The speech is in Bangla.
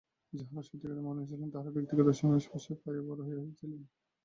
যাঁহারা সত্যিকারের মানুষ ছিলেন, তাঁহারা ব্যক্তিগত সংস্পর্শ পাইয়াই বড় হইয়াছিলেন।